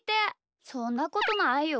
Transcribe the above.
そんなことないよ。